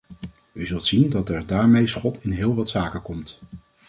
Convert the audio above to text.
U zult zien dat er daarmee schot in heel wat zaken komt.